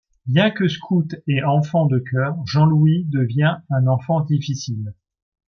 Bien que scout et enfant de chœur, Jean-Louis devient un enfant difficile.